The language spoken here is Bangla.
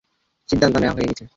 সিদ্ধান্ত নেওয়া হয়ে গেছে।